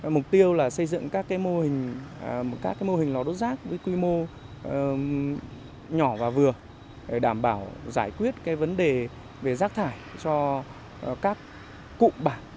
mục tiêu là xây dựng các mô hình lò đốt rác với quy mô nhỏ và vừa để đảm bảo giải quyết vấn đề về rác thải cho các cụ bản